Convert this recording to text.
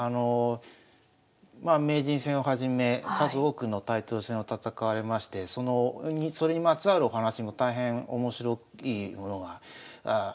まあ名人戦をはじめ数多くのタイトル戦を戦われましてそれにまつわるお話も大変面白いものが多くありました。